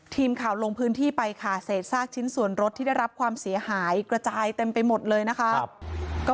ทีมข่าวลงพื้นที่ไปค่ะเศษซากชิ้นส่วนรถที่ได้รับความเสียหายกระจายเต็มไปหมดเลยนะคะ